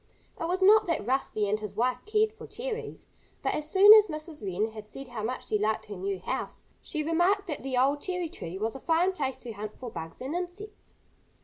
It was not that Rusty and his wife cared for cherries. But as soon as Mrs. Wren had said how much she liked her new house, she remarked that the old cherry tree was a fine place to hunt for bugs and insects.